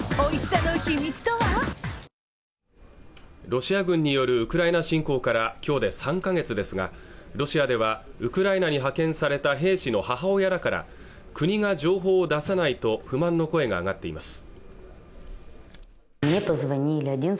ロシア軍によるウクライナ侵攻からきょうで３か月ですがロシアではウクライナに派遣された兵士の母親らから国が情報を出さないと不満の声が上がっています